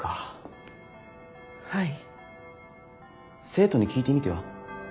生徒に聞いてみては？